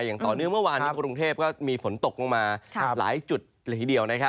ซึ่งเมื่อวานกรุงเทพมีฝนตกมามาหลายจุดหลายที่เดียว